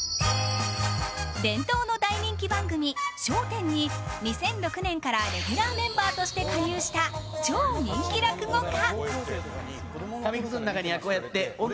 伝統の大人気番組「笑点」に２００６年からレギュラーメンバーとして加入した、超人気落語家。